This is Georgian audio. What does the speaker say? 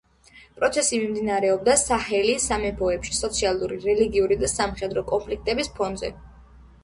პროცესი მიმდინარეობდა საჰელის სამეფოებში სოციალური, რელიგიური და სამხედრო კონფლიქტების ფონზე.